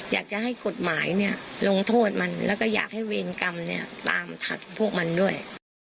อยากจะให้กฎหมายเนี่ยลงโทษมันแล้วก็อยากให้เวรกรรมเนี่ยตามถัดพวกมันด้วย